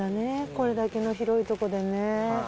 これだけの広いとこでね。